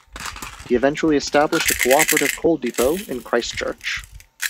He eventually established a cooperative coal depot in Christchurch.